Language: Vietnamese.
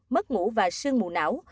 mất ngủ và sương mù não